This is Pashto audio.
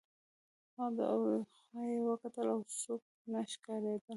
هخوا او دېخوا یې وکتل څوک نه ښکارېدل.